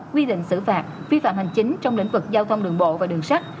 quy định xử phạt vi phạm hành chính trong lĩnh vực giao thông đường bộ và đường sắt